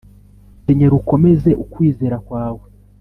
kenyera ukomeze ukwizera kwawe